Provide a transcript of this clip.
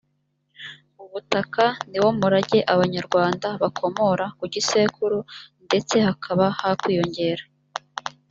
ubutaka niwo murage abanyarwanda bakomora ku gisekuru ndetse hakaba hakwiyongera